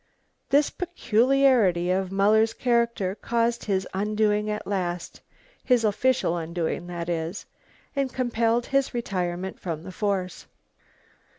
This peculiarity of Muller's character caused his undoing at last, his official undoing that is, and compelled his retirement from the force.